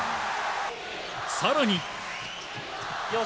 更に。